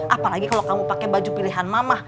apalagi kalau kamu pake baju pilihan mama